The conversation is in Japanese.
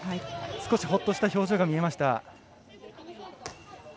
少しほっとした表情が見られました。